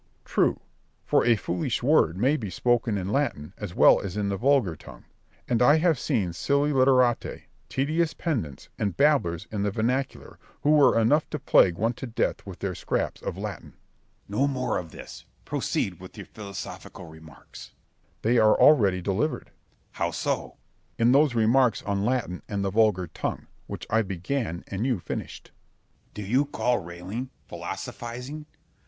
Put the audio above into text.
Berg. True; for a foolish word may be spoken in Latin as well as in the vulgar tongue; and I have seen silly literati, tedious pedants, and babblers in the vernacular, who were enough to plague one to death with their scraps of Latin. Scip. No more of this: proceed to your philosophical remarks. Berg. They are already delivered. Scip. How so? Berg. In those remarks on Latin and the vulgar tongue, which I began and you finished. Scip. Do you call railing philosophising?